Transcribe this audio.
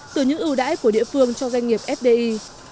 từ những ưu đãi của địa phương cho doanh nghiệp fdi